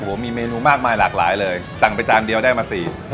โอ้โหมีเมนูมากมายหลากหลายเลยสั่งไปจานเดียวได้มาสี่